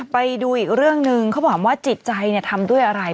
ไปดูอีกเรื่องหนึ่งเขาบอกว่าจิตใจทำด้วยอะไร